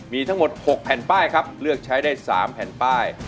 มีทั้งหมด๖แผ่นป้ายครับเลือกใช้ได้๓แผ่นป้าย